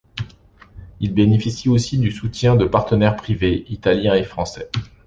Il bénéficie aussi du soutien de partenaires privés, italiens et français.